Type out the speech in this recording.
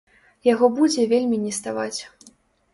Яго будзе вельмі неставаць.